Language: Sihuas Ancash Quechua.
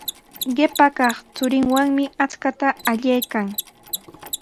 Qipa kaq churinwanmi akshuta allaykan.